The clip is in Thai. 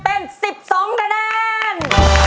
เป็น๑๒คะแนน